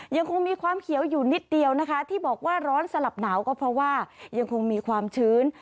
ยังคงมีความเขียวอยู่นิดเดียวนะคะที่บอกว่าร้อนสลับหนาวก็เพราะว่ายังคงมีความชื้น